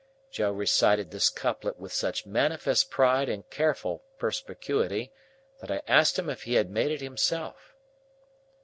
Joe recited this couplet with such manifest pride and careful perspicuity, that I asked him if he had made it himself.